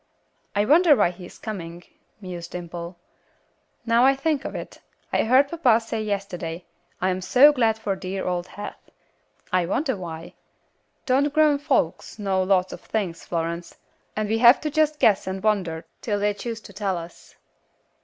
"I wonder why he is coming," mused Dimple. "Now I think of it. I heard papa say yesterday, 'I am so glad for dear old Heath.' I wonder why. Don't grown folks know lots of things, Florence? And we have to just guess and wonder till they choose to tell us.